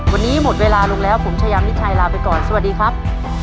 วันนี้หมดเวลาลงแล้วผมชายามิชัยลาไปก่อนสวัสดีครับ